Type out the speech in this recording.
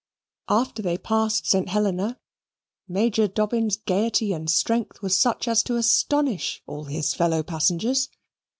After they passed St. Helena, Major Dobbin's gaiety and strength was such as to astonish all his fellow passengers.